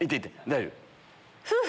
大丈夫。